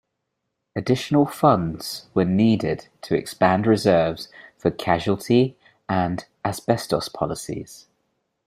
Additional funds were needed to expand reserves for casualty and asbestos policies.